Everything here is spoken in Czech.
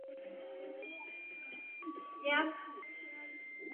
Uplatnil se jako diplomat ve Společnosti národů a byl rytířem Podvazkového řádu.